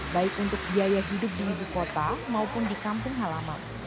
baik untuk biaya hidup di ibu kota maupun di kampung halaman